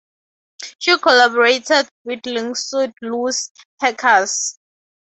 She collaborated with linguist Luise Hercus.